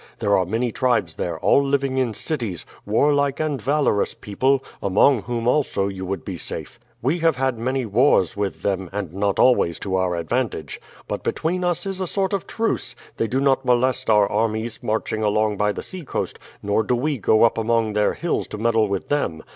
There are many tribes there, all living in cities, warlike and valorous people, among whom also you would be safe. We have had many wars with them, and not always to our advantage. But between us is a sort of truce they do not molest our armies marching along by the seacoast, nor do we go up among their hills to meddle with them.